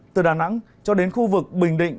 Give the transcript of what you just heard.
từ đà nẵng cho đến khu vực bình định